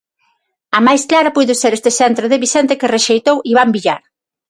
A máis clara puido ser este centro de Vicente que rexeitou Iván Villar.